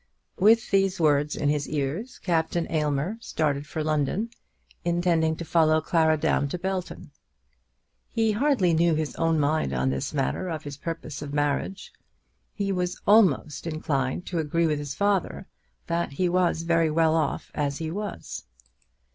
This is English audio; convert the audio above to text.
With these words in his ears Captain Aylmer started for London, intending to follow Clara down to Belton. He hardly knew his own mind on this matter of his purposed marriage. He was almost inclined to agree with his father that he was very well off as he was.